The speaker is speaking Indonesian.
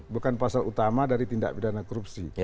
bukan pasal utama dari tindak pidana korupsi